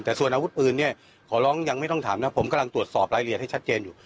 แต่ส่วนอาวุธปืนเนี่ยขอร้องยังไม่ต้องถามนะผมกำลังตรวจสอบรายละเอียดให้ชัดเจนอยู่